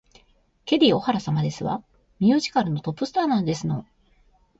ケリー・オハラ様ですわ。ミュージカルのトップスターなんですの